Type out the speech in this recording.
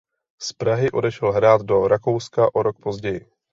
Z Prahy odešel hrát do Rakouska o rok později.